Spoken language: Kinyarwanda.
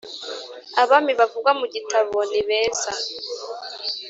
abami bavugwa mu gitabo ni beza